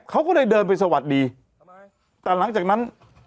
เขาก็เลยเดินไปสวัสดีแต่หลังจากนั้น